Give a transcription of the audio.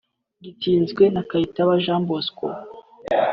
gitsinzwe na Kayitaba Jean Bosco